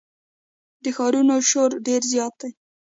د ښار شور ډېر زیات دی.